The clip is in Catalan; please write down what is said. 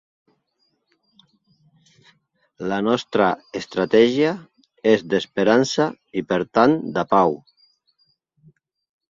La nostra estratègia és d'esperança i per tant de pau.